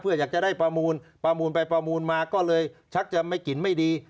เพื่ออยากจะได้ประมูลประมูลไปประมูลมาก็เลยชักจะไม่กลิ่นไม่ดี